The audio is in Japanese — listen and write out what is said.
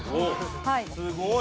すごい！